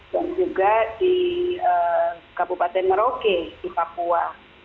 dan juga di kabupaten merauke di papua